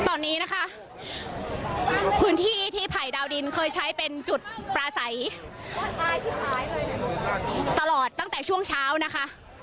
ตอนนี้นะคะพื้นที่ที่ภัยดาวดินเคยใช้เป็นจุดปลาใสตลอดตั้งแต่ช่วงเช้านะคะ